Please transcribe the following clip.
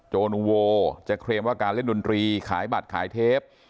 จนูโวจะเคลมว่าการเล่นดนตรีขายบัตรขายเทป